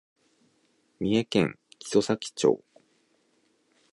三重県木曽岬町